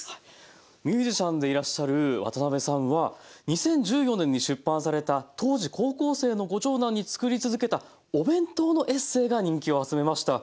ミュージシャンでいらっしゃる渡辺さんは２０１４年に出版された当時高校生のご長男に作り続けたお弁当のエッセイが人気を集めました。